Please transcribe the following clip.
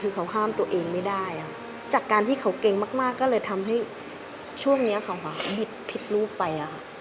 คือเขาห้ามตัวเองไม่ได้จากการที่เขาเก่งมากก็เลยทำให้ช่วงนี้เขาบิดผิดลูกไป